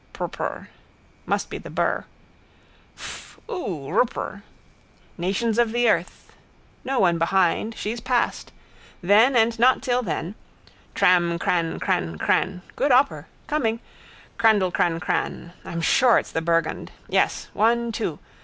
_ Prrprr. Must be the bur. Fff! Oo. Rrpr. Nations of the earth. No one behind. She's passed. Then and not till then. Tram kran kran kran. Good oppor. Coming. Krandlkrankran. I'm sure it's the burgund. Yes. One, two.